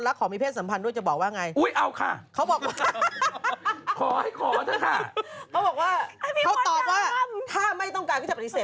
ถามให้จบก่อนนะคะวันนี้จะตอบเนี่ย